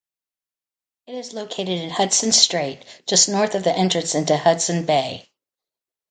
It is located in Hudson Strait, just north of the entrance into Hudson Bay.